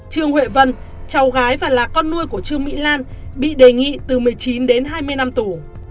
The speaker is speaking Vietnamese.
trương huệ vân cháu gái và là con nuôi của trương mỹ lan bị đề nghị từ một mươi chín đến hai mươi năm tù